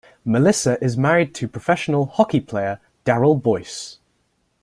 Melissa is married to professional hockey player Darryl Boyce.